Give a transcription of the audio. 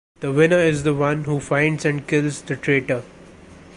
The winner is the one who finds and kills the traitor.